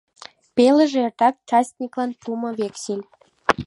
Пелыже эртак частниклан пуымо вексель.